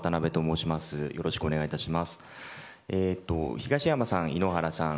東山さん、井ノ原さん